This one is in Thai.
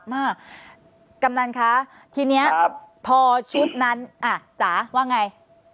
มากำนันคะทีนี้พอชุดนั้นอ่ะจ๋าว่าไง